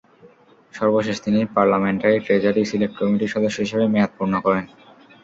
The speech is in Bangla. সর্বশেষ তিনি পার্লামেন্টারি ট্রেজারি সিলেক্ট কমিটির সদস্য হিসেবে মেয়াদ পূর্ণ করেন।